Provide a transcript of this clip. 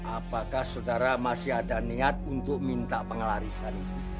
apakah saudara masih ada niat untuk minta pengelarisan itu